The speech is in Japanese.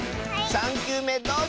３きゅうめどうぞ！